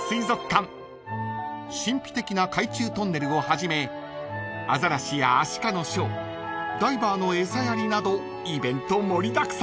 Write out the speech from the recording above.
［神秘的な海中トンネルをはじめアザラシやアシカのショーダイバーの餌やりなどイベント盛りだくさん］